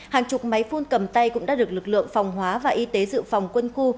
hàng chục máy phun cầm tay cũng đã được lực lượng phòng hóa và y tế dự phòng quân khu